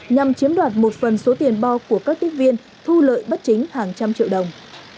nhằm chiếm đoạt một phần số tiền bo của các tiếp viên thu lợi bất chính hàng trăm triệu đồng